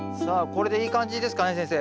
これでいい感じですかね先生。